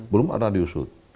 belum ada diusut